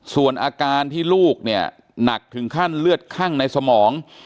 ส่วนอาการที่ลูกเนี่ยหนักถึงขั้นเลือดคั่งในสมอง